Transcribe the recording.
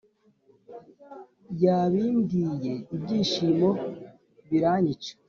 yabimbwiye ibyishimo biranyica